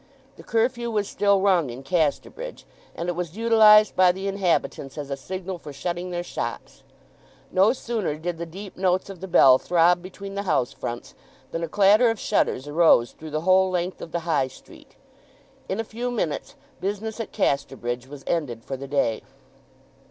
The curfew was still rung in Casterbridge, and it was utilized by the inhabitants as a signal for shutting their shops. No sooner did the deep notes of the bell throb between the house fronts than a clatter of shutters arose through the whole length of the High Street. In a few minutes business at Casterbridge was ended for the day.